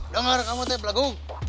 dengar kamu tep lagu